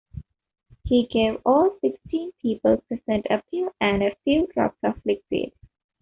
He gave all sixteen people present a pill and a few drops of liquid.